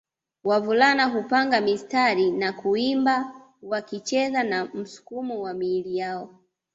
Wavulana hupanga msitari na kuimba wakicheza na msukumo wa miili yao